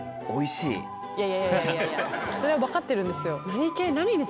いやいやそれは分かってるんですよ。